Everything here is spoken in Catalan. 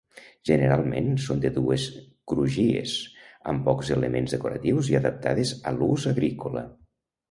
Generalment són de dues crugies, amb pocs elements decoratius i adaptades a l'ús agrícola.